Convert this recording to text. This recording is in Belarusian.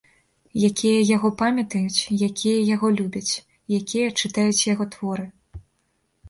Якія яго памятаюць, якія яго любяць, якія чытаюць яго творы.